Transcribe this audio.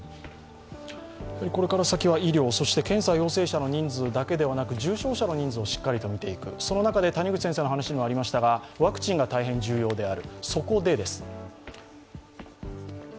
これから先は医療検査陽性者の人数だけではなく重症者の人数をしっかりと見ていく、その中でワクチンが大変重要である。